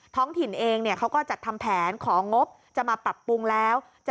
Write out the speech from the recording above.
ท้องถิ่นเองเขาก็จัดทำแผนของงบจะมาปรับปรุงแล้ว